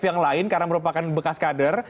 yang lain karena merupakan bekas kader